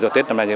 cho tết năm nay